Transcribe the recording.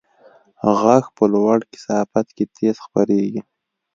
غږ په لوړه کثافت کې تېز خپرېږي.